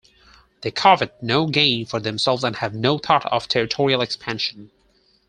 They covet no gain for themselves and have no thought of territorial expansion.